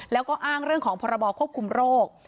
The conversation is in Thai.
แล้วก็อ้างเรื่องของพรบควบคุมโรค